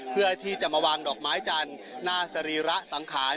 เพื่อที่จะมาวางดอกไม้จันทร์หน้าสรีระสังขาร